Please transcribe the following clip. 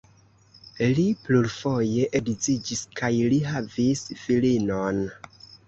Li plurfoje edziĝis kaj li havis filinon.